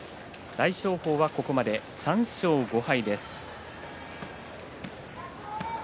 大翔鵬はここまで３勝５敗です。